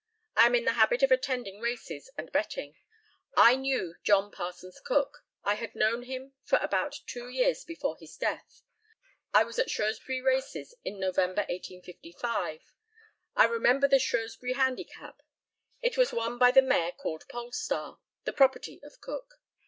I am in the habit of attending races and betting. I knew John Parsons Cook. I had known him for about two years before his death. I was at Shrewsbury races in November, 1855. I remember the Shrewsbury Handicap. It was won by the mare called Polestar, the property of Cook.